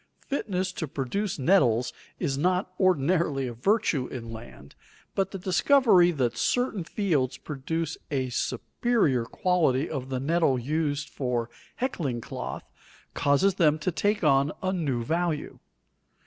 Fitness to produce nettles is not ordinarily a virtue in land, but the discovery that certain fields produce a superior quality of the nettle used for heckling cloth, causes them to take on a new value.